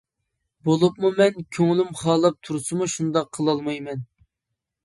بولۇپمۇ مەن كۆڭلۈم خالاپ تۇرسىمۇ شۇنداق قىلالمايمەن.